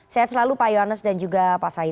saya selalu pak yonus dan juga pak said